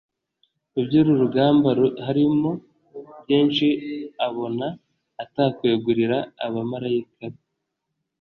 Iby'uru rugamba harimo byinshi abona atakwegurira abamarayika be